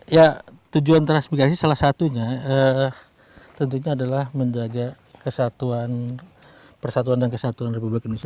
ya tujuan transmigrasi salah satunya tentunya adalah menjaga kesatuan persatuan dan kesatuan republik indonesia